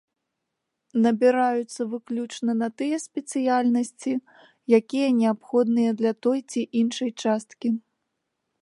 Набіраюцца выключна на тыя спецыяльнасці, якія неабходныя для той ці іншай часткі.